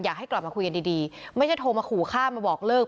อยากให้กลับมาคุยกันดีดีไม่ใช่โทรมาขู่ฆ่ามาบอกเลิก